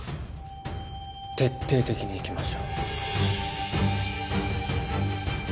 徹底的にいきましょう。